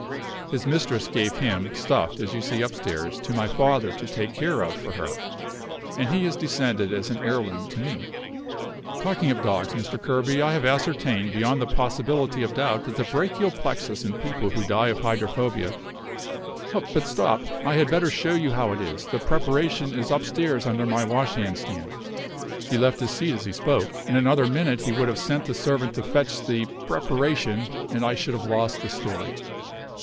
His mistress gave him, stuffed, as you see upstairs, to my father to take care of for her, and he has descended as an heirloom to me. Talking of dogs, Mr. Kerby, I have ascertained, beyond the possibility of doubt, that the brachial plexus in people who die of hydrophobia but stop! I had better show you how it is the preparation is upstairs under my wash hand stand." He left his seat as he spoke. In another minute he would have sent the servant to fetch the "preparation," and I should have lost the story.